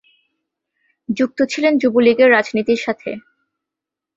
যুক্ত ছিলেন যুব লীগের রাজনীতির সাথে।